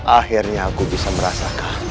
akhirnya aku bisa merasakan